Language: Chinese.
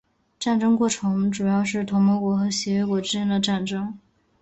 战争过程主要是同盟国和协约国之间的战斗。